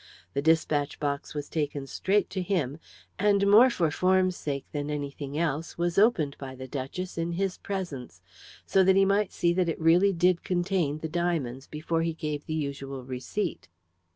The despatch box was taken straight to him, and, more for form's sake than anything else, was opened by the duchess in his presence, so that he might see that it really did contain the diamonds before he gave the usual receipt.